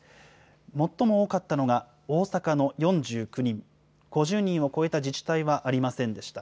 最も多かったのが大阪の４９人、５０人を超えた自治体はありませんでした。